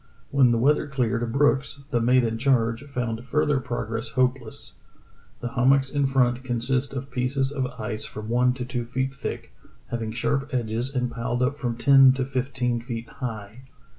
When the weather cleared Brooks, the mate in charge, found further prog ress hopeless. "The hummocks in front consist of pieces of ice from one to two feet thick, having sharp edges and piled up from ten to fifteen feet high.